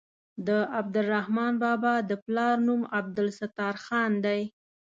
د عبدالرحمان بابا د پلار نوم عبدالستار خان دی.